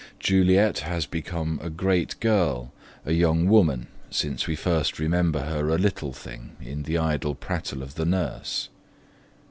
Juliet has become a great girl, a young woman since we first remember her a little thing in the idle prattle of the nurse.